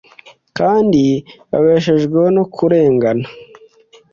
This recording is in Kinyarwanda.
kandi babeshejweho no kuregana